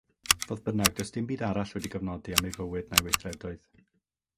Fodd bynnag, does dim arall wedi'i gofnodi am ei fywyd na'i weithredoedd.